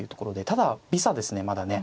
ただ微差ですねまだね。